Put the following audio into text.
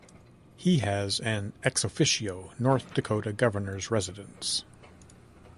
He has an "ex officio" North Dakota Governor's Residence.